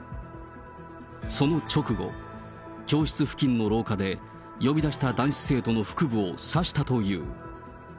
その直後、教室付近の廊下で、呼び出した男子生徒の腹部を刺したという。